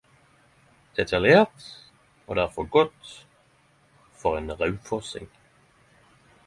Detaljert - og derfor godt - for ein raufossing.